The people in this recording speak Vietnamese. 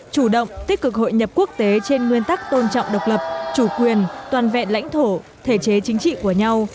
chủ động tích cực hội nhập quốc tế trên nguyên tắc tôn trọng độc lập chủ quyền toàn vẹn lãnh thổ thể chế chính trị của nhau